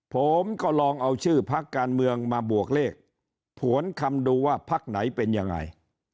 ผมก็ลองเอาชื่อพักการเมืองมาบวกเลขผวนคำดูว่าพักไหนเป็นยังไง